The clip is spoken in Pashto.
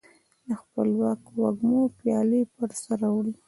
د خپلواکو وږمو پیالي پر سر اړوي